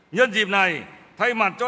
nhân dịp này thay mặt cho